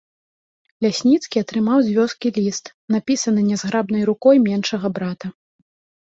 Лясніцкі атрымаў з вёскі ліст, напісаны нязграбнай рукой меншага брата.